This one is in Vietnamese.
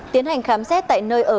tiến hành khám xét tại nơi ở